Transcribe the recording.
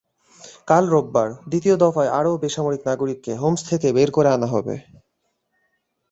কাল রোববার দ্বিতীয় দফায় আরও বেসামরিক নাগরিককে হোমস থেকে বের করে আনা হবে।